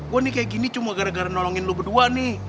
gue nih kayak gini cuma gara gara nolongin lu berdua nih